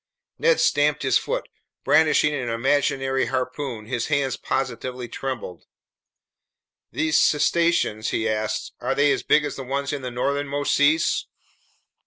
Ned stamped his foot. Brandishing an imaginary harpoon, his hands positively trembled. "These cetaceans," he asked, "are they as big as the ones in the northernmost seas?"